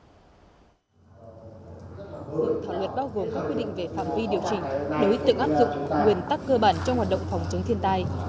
dự thảo luật bao gồm các quy định về phạm vi điều chỉnh đối tượng áp dụng các nguyên tắc cơ bản trong hoạt động phòng chống thiên tai